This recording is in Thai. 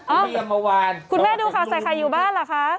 อ้าวคุณแม่ดูข่าวใส่ไข่อยู่บ้านเหรอคะ